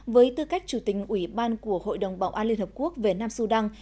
với tư cách chủ tình ủy ban của hội đồng bảo an liên hợp quốc về nam sudan